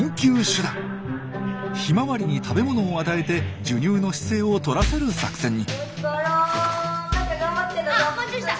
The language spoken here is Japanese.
ヒマワリに食べものを与えて授乳の姿勢をとらせる作戦に。